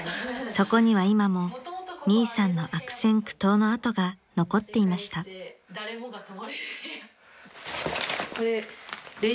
［そこには今もミイさんの悪戦苦闘の跡が残っていました］の略がＪＯ？